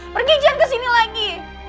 pergi jangan kesini lagi